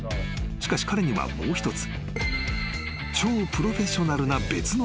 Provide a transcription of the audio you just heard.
［しかし彼にはもう一つ］